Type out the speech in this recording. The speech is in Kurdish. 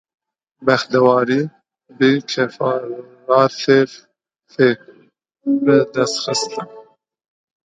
Bextewarî bi keferatê tê bidestxistin.